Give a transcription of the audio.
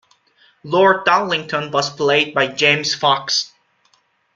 Lord Darlington was played by James Fox.